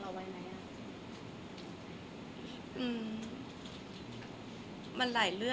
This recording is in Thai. คนเราถ้าใช้ชีวิตมาจนถึงอายุขนาดนี้แล้วค่ะ